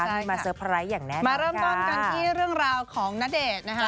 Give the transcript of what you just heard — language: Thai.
ที่มาเตอร์ไพรส์อย่างแน่นอนมาเริ่มต้นกันที่เรื่องราวของณเดชน์นะคะ